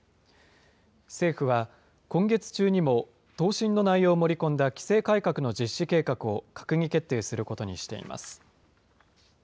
政府は、今月中にも、答申の内容を盛り込んだ規制改革の実施計画を閣議決定することにしています。